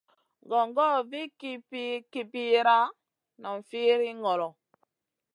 Gongor vih kipir-kipira, nam firiy ŋolo.